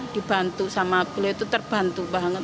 dibantu sama beliau itu terbantu banget